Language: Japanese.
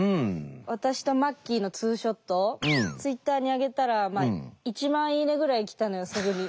私とまっきぃのツーショットツイッターに上げたら「１万いいね」ぐらい来たのよすぐに。